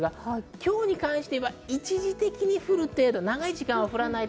今日に関しては一時的に降る程度、長い時間は降らない。